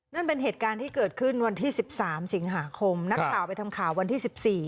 นั่นเป็นเหตุการณ์ที่เกิดขึ้นวันที่๑๓สิงหาคมนักข่าวไปทำข่าววันที่๑๔